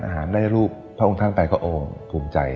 อาหารได้รูปพระองค์ท่านไปก็โอ้งภูมิใจ